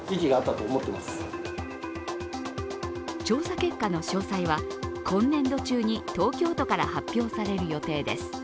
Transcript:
調査結果の詳細は、今年度中に東京都から発表される予定です。